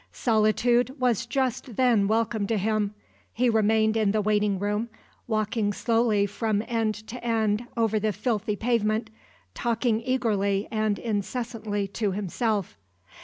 Solitude was just then welcome to him. He remained in the waiting room, walking slowly from end to end over the filthy pavement, talking eagerly and incessantly to himself.